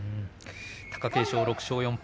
貴景勝、６勝４敗